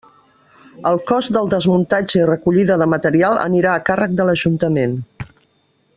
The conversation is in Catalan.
El cost del desmuntatge i recollida de material anirà a càrrec de l'ajuntament.